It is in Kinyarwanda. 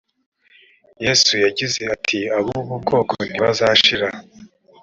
yesu yagize ati ab ubu bwoko ntibazashira o